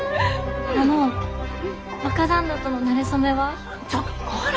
あの若旦那とのなれ初めは？ちょこら！